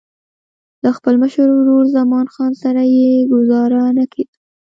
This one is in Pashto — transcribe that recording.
له خپل مشر ورور زمان خان سره یې ګوزاره نه کېدله.